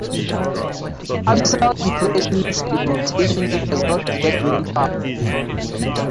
Abyssal depression sedimentation has not yet been found.